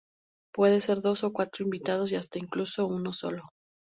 Pueden ser dos o cuatro invitados y hasta incluso uno solo.